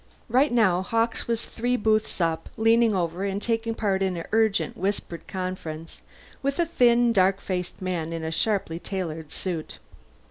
Right now Hawkes was three booths up, leaning over and taking part in an urgent whispered conference with a thin dark faced man in a sharply tailored suit.